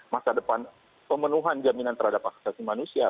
masa depan pemenuhan jaminan terhadap akisasi manusia